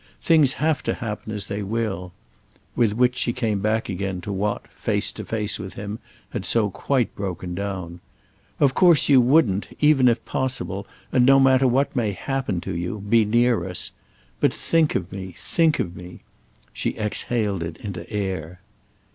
Things have to happen as they will." With which she came back again to what, face to face with him, had so quite broken down. "Of course you wouldn't, even if possible, and no matter what may happen to you, be near us. But think of me, think of me—!" She exhaled it into air.